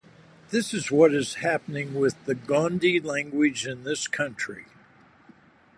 This is what is happening with the Gondi language in this country.